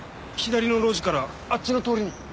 左の路地からあっちの通りに。